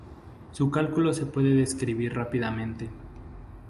Su cálculo se puede describir rápidamente.